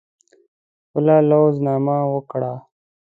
خپله لوز نامه ورکړه.